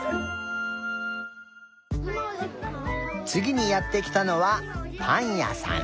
つぎにやってきたのはパンやさん。